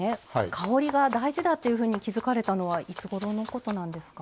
香りが大事だっていうふうに気付かれたのはいつごろのことなんですか？